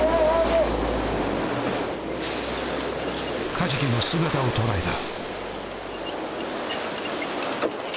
カジキの姿を捉えた。